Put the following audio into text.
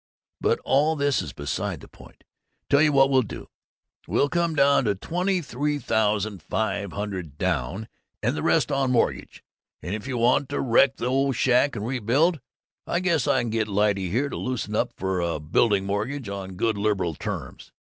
But all this is beside the point. Tell you what we'll do: We'll come down to twenty three thousand five thousand down and the rest on mortgage and if you want to wreck the old shack and rebuild, I guess I can get Lyte here to loosen up for a building mortgage on good liberal terms.